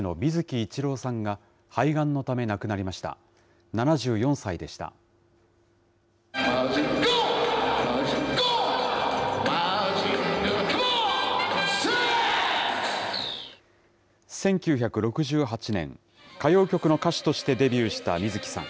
１９６８年、歌謡曲の歌手としてデビューした水木さん。